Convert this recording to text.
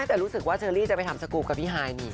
แต่รู้สึกว่าเชอรี่จะไปทำสกรูปกับพี่ฮายนี่